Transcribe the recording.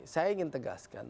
saya ingin tegaskan